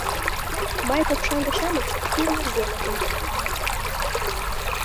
Май копшаҥге-шамыч — тӱрлӧ емыжым нумалыныт.